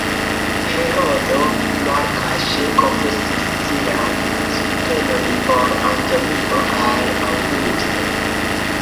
Herodo malkaŝe konfesis sian subtenon por Antonio al Aŭgusto.